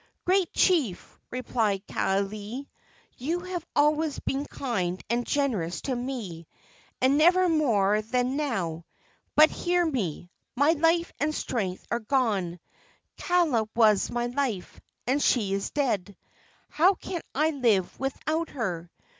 "Great chief," replied Kaaialii, "you have always been kind and generous to me, and never more so than now. But hear me. My life and strength are gone. Kaala was my life, and she is dead. How can I live without her?